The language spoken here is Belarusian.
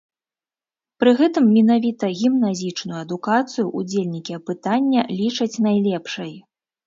Пры гэтым менавіта гімназічную адукацыю ўдзельнікі апытання лічаць найлепшай.